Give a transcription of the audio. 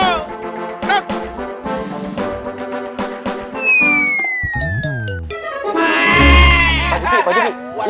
pak juki pak juki